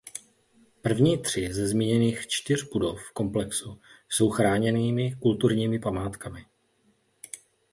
První tři ze zmíněných čtyř budov komplexu jsou chráněnými kulturními památkami.